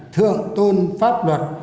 thượng tôn pháp luật